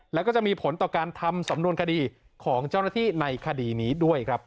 แล้วก็จะมีผลต่อการทำสำนวนคดีของเจ้าหน้าที่ในคดีนี้ด้วยครับ